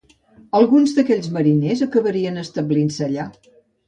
Alguns d'aquells mariners acabarien establint-se allà.